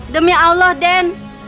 demi allah den